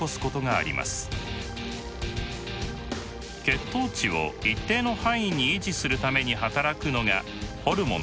血糖値を一定の範囲に維持するために働くのがホルモンです。